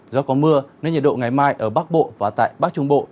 do có mưa nên nhiệt độ ngày mai ở bắc bộ và tại bắc trung bộ